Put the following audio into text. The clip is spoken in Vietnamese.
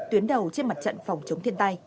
tuyến đầu trên mặt trận phòng chống thiên tai